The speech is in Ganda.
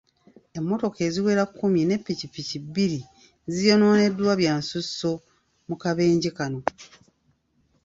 Emmotoka eziwera kkumi ne ppikipiki bbiri ziyonooneddwa byansusso mu kabenje kano.